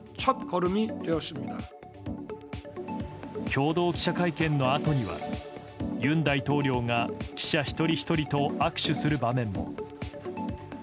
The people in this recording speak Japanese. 共同記者会見のあとには尹大統領が記者一人ひとりと握手する場面も。